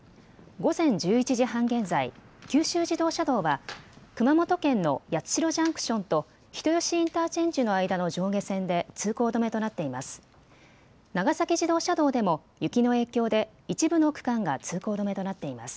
午前１１時半現在、九州自動車道は熊本県の八代ジャンクションと人吉インターチェンジの上下線で通行止めとなっています。